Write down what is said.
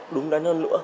đúng đắn hơn nữa